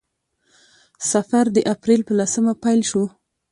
سفر د اپریل په لسمه پیل شو.